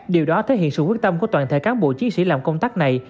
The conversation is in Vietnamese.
điều đó thể hiện sự quyết tâm của toàn thể cán bộ chiến sĩ làm công tác này